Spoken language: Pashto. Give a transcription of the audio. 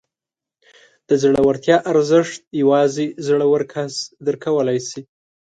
د زړورتیا ارزښت یوازې زړور کس درک کولی شي.